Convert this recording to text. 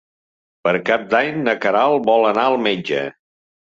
Per Cap d'Any na Queralt vol anar al metge.